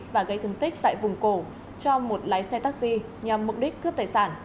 và gây thương tích tại vùng cổ cho một lái xe taxi nhằm mục đích cướp tài sản